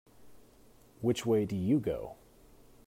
Which way do you go?